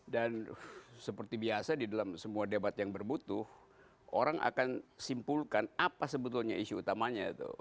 dan seperti biasa di dalam semua debat yang berbutuh orang akan simpulkan apa sebetulnya isu utamanya